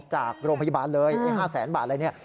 จากโรงพยาบาลเลยไอ้๕แสนบาทอะไรเนี่ย